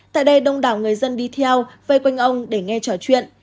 tại đây đông đảo người dân đi theo vây quanh ông để nghe trò chuyện